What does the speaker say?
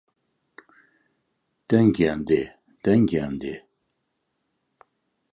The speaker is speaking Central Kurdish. دەنگیان دێ دەنگیان دێ